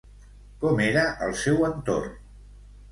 Com era el seu entorn?